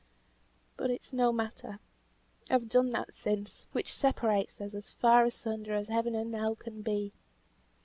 "But it's no matter! I've done that since, which separates us as far asunder as heaven and hell can be."